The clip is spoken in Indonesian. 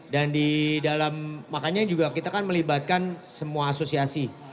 dan di dalam makanya juga kita kan melibatkan semua asosiasi